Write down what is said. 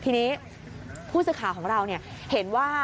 ทีนี้ผู้สื่อข่าวของเราเห็นว่า